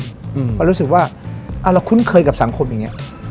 เพราะรู้สึกว่าเราคุ้นเคยกับสังคมอย่างนี้